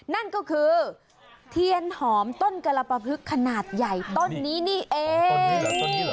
นั่นก็คือเทียนหอมต้นกรปภึกขนาดใหญ่ต้นนี้นี่เอง